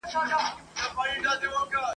مور او پلار چي زاړه سي تر شکرو لا خواږه سي ..